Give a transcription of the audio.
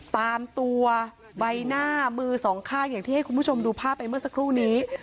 ตามตัวใบหน้ามือสองข้างอย่างที่ให้คุณผู้ชมดูภาพไปเมื่อสักครู่นี้